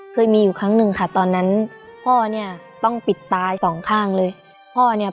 เคยมีอยู่ครั้งหนึ่งค่ะตอนนั้นพ่อพ่อต้องปิดตา๒ข้างเลย